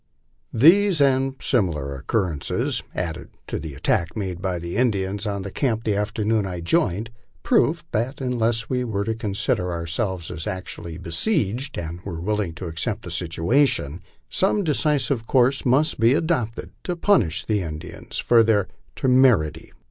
These and similar occurrences, added to the attack made by the Indians on the camp the afternoon I joined, proved that unless we were to consider ourselves as actually besieged and were willing to accept the situation, some decisive course must be adopted to punish the Indians for their temerity.